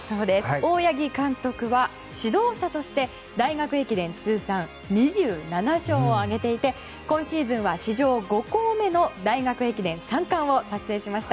大八木監督は指導者として大学駅伝通算２７勝を挙げていて今シーズンは史上５校目の大学駅伝３冠を達成しました。